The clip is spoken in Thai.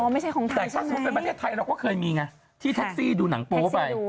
ไม่ใช่ของไทยใช่ไหมไทยเราเคยมีไงที่ตั็กซี่ดูหนังโปะไป